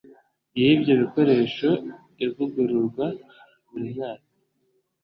y ibyo bikoresho ivugururwa buri mwaka